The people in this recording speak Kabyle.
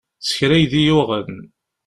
S kra i d iyi-yuɣen.